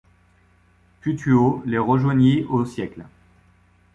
Putuo les rejoignit aux - siècles.